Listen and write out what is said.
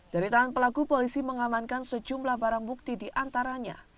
dari tangan pelaku polisi mengamankan sejumlah barang bukti diantaranya